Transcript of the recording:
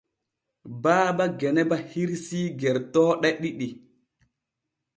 Baaba Genaba hirsii gertooɗe ɗiɗi.